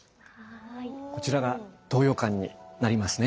こちらが東洋館になりますね。